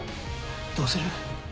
どうする？